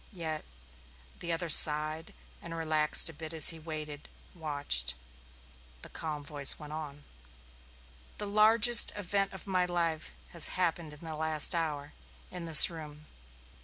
Yet the other sighed and relaxed a bit as he waited, watched. The calm voice went on. "The largest event of my life has happened in the last hour, in this room.